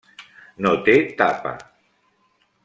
No té tapa.